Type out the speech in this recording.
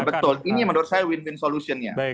betul betul ini menurut saya win win solutionnya